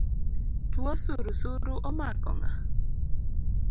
Tuo surusuru omako ng’a?